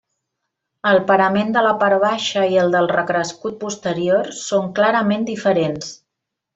El parament de la part baixa i el del recrescut posterior són clarament diferents.